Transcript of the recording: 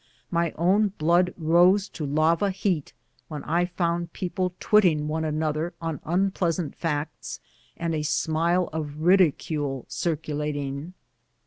My own blood rose to lava heat when I found people twitting one another on unpleasant facts, and a smile of ridicule circulating.